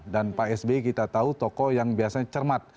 dan pak s b kita tahu toko yang biasanya cermat